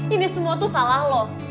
ini semua tuh salah loh